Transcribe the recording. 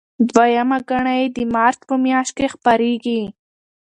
دویمه ګڼه یې د مارچ په میاشت کې خپریږي.